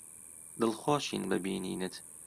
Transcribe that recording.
دڵخۆشین بە بینینت.